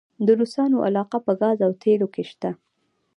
د روسانو علاقه په ګاز او تیلو کې شته؟